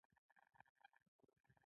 ځمکې ښویدنه په بدخشان کې ولې کیږي؟